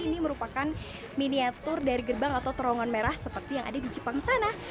ini merupakan miniatur dari gerbang atau terowongan merah seperti yang ada di jepang sana